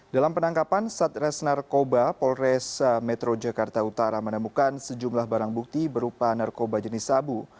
dalam penangkapan satres narkoba polres metro jakarta utara menemukan sejumlah barang bukti berupa narkoba jenis sabu